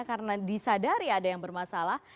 karena disadari ada yang bermasalah